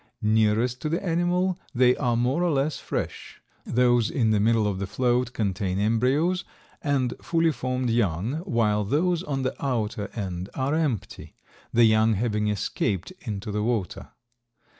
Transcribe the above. Nearest to the animal they are more or less fresh; those in the middle of the float contain embryos and fully formed young, while those on the outer end are empty, the young having escaped into the water.